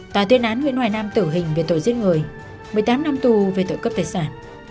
tòa tuyên án nguyễn hoài nam tử hình về tội giết người một mươi tám năm tù về tội cướp tài sản